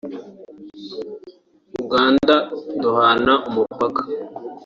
Uganda duhana umupaka